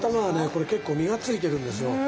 これ結構身がついてるんですよ。